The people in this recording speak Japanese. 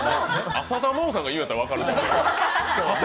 浅田真央さんが言うなら分かるけど。